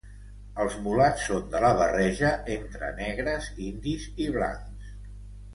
Els mulats són de la barreja entre negres, indis i blancs.